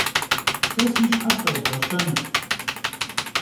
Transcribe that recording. Se si şher ş'êzğeşenut.